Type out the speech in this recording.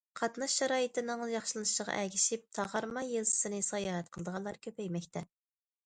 قاتناش شارائىتىنىڭ ياخشىلىنىشىغا ئەگىشىپ، تاغارما يېزىسىنى ساياھەت قىلىدىغانلار كۆپەيمەكتە.